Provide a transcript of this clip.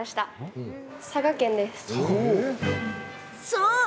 そう！